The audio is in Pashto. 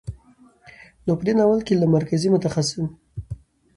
نو په دې ناول کې له مرکزي، متخاصم،